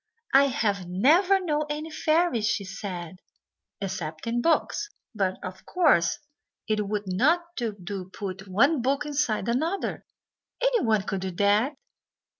"I have never known any fairies," she said, "except in books; but, of course, it would not do to put one book inside another anyone could do that."